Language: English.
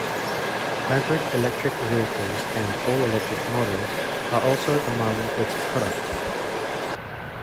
Hybrid electric vehicles and all-electric models are also among its products.